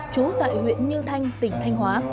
chú tại huyện như thanh tỉnh thanh hóa